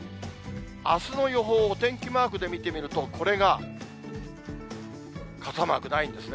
あすの予報をお天気マークで見てみると、これが、傘マークないんですね。